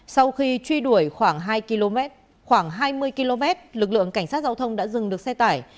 sau khi truy đuổi khoảng hai mươi km lực lượng cảnh sát giao thông đã dừng được xe tải